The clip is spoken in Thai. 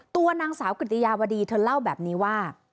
ตัวนางสาวกิตยาวดีเธอเล่าแบบนี้ว่า